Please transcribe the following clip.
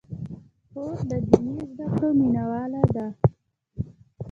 خور د دیني زدکړو مینه واله ده.